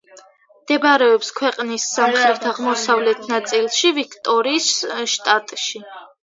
მდებარეობს ქვეყნის სამხრეთ-აღმოსავლეთ ნაწილში, ვიქტორიის შტატში.